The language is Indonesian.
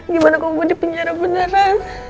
gimana kalau aku dipenjara beneran